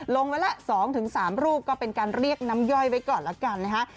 ลงไว้ละ๒๓รูปก็เป็นการเรียกน้ำย่อยไว้ก่อนแล้วกันนะฮะ